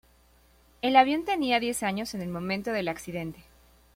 El avión tenía diez años en el momento del accidente.